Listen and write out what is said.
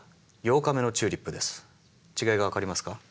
違いが分かりますか？